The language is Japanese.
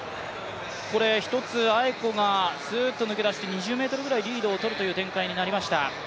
１つさーっとアエコが抜け出して、２０ｍぐらい、リードをとるという展開になりました。